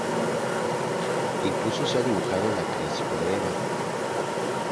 Incluso se ha dibujado la creación de Eva.